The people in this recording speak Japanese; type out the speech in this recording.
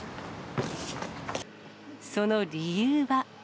その理由は。